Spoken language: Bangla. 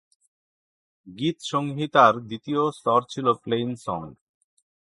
গীতসংহিতার দ্বিতীয় স্বর ছিল প্লেইনসং।